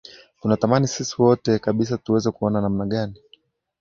tunatamani sisi wote kabisa tuweze kuona namna gani